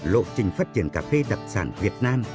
lộ trình phát triển cà phê đặc sản việt nam